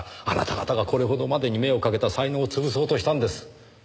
あなた方がこれほどまでに目をかけた才能を潰そうとしたんです。